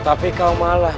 tapi kau malah